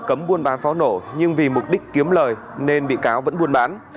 cấm buôn bán pháo nổ nhưng vì mục đích kiếm lời nên bị cáo vẫn buôn bán